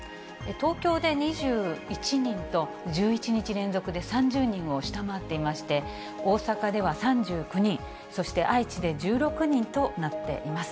東京で２１人と、１１日連続で３０人を下回っていまして、大阪では３９人、そしてあいちで１６人となっています。